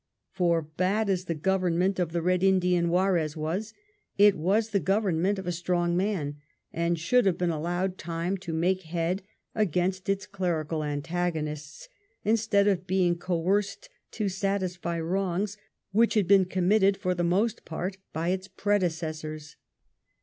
For, bad as the government of the Red Indian Juarez was, it was the government of a strong man, and should have been allowed time to make head against its clerical antagonists, instead of being coerced to satisfy wrongs which had been com mitted for the most part by its predecessors.